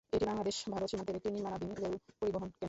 এটি বাংলাদেশ-ভারত সীমান্তের একটি নির্মাণাধীন রেল পরিবহন কেন্দ্র।